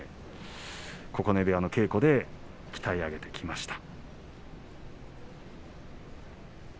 九重部屋の稽古で鍛え上げてきました。